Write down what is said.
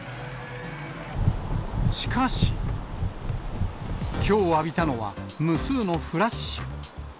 しかし、きょう浴びたのは無数のフラッシュ。